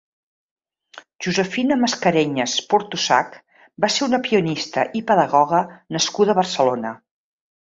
Josefina Mascareñas Portusach va ser una pianista i pedagoga nascuda a Barcelona.